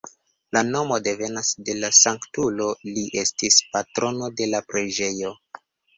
La nomo devenas de la sanktulo, li estis patrono de la preĝejo.